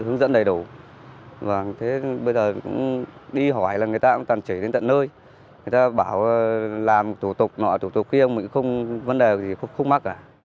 người ta bảo làm tổ tục nọ tổ tục kia không vấn đề gì không mắc cả